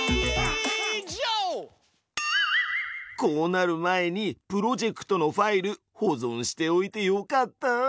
こうなる前にプロジェクトのファイル保存しておいてよかった！